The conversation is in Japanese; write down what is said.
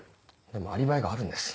でもアリバイがあるんです。